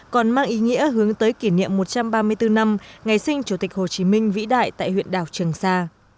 còn mang ý nghĩa hướng tới kỷ niệm một trăm ba mươi bốn năm ngày sinh chủ tịch hồ chí minh vĩ đại tại huyện đảo trường sa